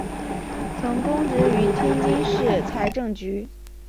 曾供职于天津市财政局。